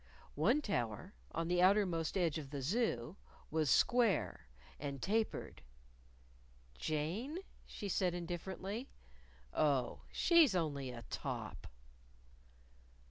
One tower, on the outer most edge of the Zoo, was square, and tapered. "Jane?" she said indifferently. "Oh, she's only a top."